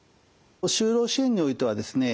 就労支援においてはですね